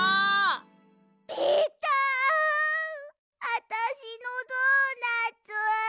あたしのドーナツ。